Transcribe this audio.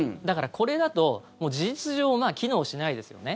これだと事実上機能しないですよね。